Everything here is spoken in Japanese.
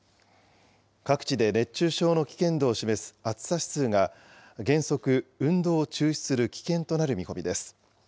各地で熱中症の危険度を示す暑さ指数が、原則、運動を中止する危険となる見込みです。